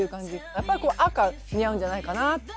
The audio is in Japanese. やっぱり赤似合うんじゃないかな。